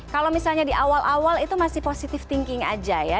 kalau misalnya di awal awal itu masih positive thinking aja ya